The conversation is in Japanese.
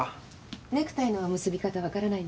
ネクタイの結び方分からないんですって。